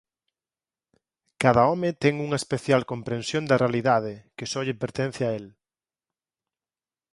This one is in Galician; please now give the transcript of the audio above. Cada home ten unha especial comprensión da realidade que só lle pertence a el.